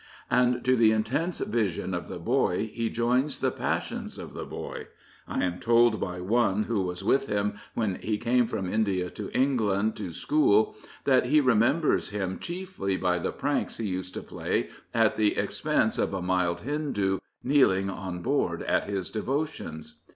And to the intense vision of the boy he joins the passions of the boy. I am told by one who was with him when he came from India to England to school that he remembers him chiefly by the pranks he used to play at the expense of a mild Hindoo, kneeling on board at his devotions.